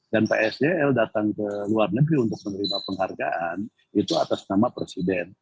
dan pak sel datang ke luar negeri untuk menerima penghargaan itu atas nama presiden